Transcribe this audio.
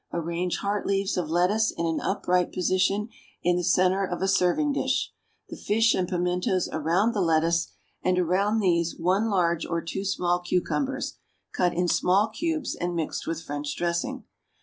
Arrange heart leaves of lettuce in an upright position in the centre of a serving dish, the fish and pimentos around the lettuce, and, around these, one large or two small cucumbers, cut in small cubes and mixed with French dressing.